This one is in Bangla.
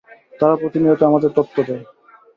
তারা প্রতিনিয়ত আমাদের তথ্য দেয়।